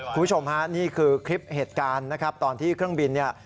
คุณผู้ชมฮะนี่คือคลิปเหตุการณ์นะครับตอนที่เครื่องบินเนี่ย